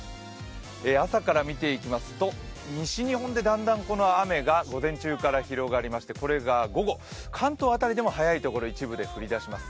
朝から見ていきますと、西日本でだんだんこの雨が午前中から広がりまして、これが午後、関東辺りでも早いところ、一部で降り出します。